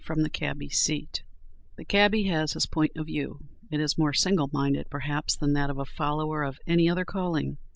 FROM THE CABBY'S SEAT The cabby has his point of view. It is more single minded, perhaps, than that of a follower of any other calling.